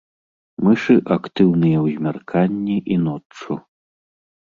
Мышы актыўныя ў змярканні і ноччу.